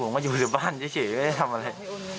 พักว่าอยู่ในบ้านเฉยไอ้ยทำอะไร